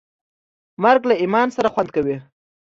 مرګ له ایمان سره خوند کوي.